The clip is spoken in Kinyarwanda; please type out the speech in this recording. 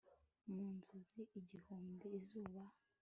Mu nzozi igihumbi Izuba